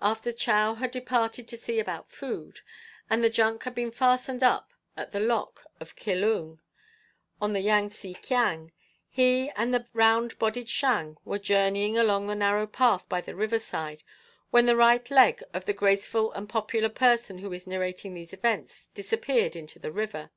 After Chow had departed to see about food, and the junk had been fastened up at the lock of Kilung, on the Yang tse Kiang, he and the round bodied Shang were journeying along the narrow path by the river side when the right leg of the graceful and popular person who is narrating these events disappeared into the river.